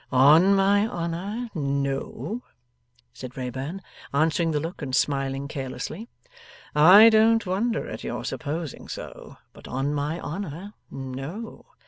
'On my honour, no,' said Wrayburn, answering the look and smiling carelessly; 'I don't wonder at your supposing so, but on my honour, no.